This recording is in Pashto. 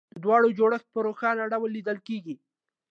د دواړو جوړښت په روښانه ډول لیدل کېږي